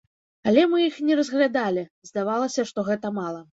Але мы іх не разглядалі, здавалася, што гэта мала.